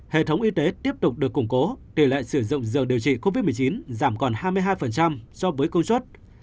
hệ thống y tế tiếp tục được củng cố tỷ lệ sử dụng dược điều trị covid một mươi chín giảm còn hai mươi hai so với công suất